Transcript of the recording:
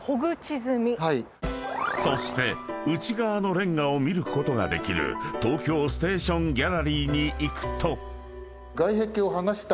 ［そして内側のレンガを見ることができる東京ステーションギャラリーに行くと］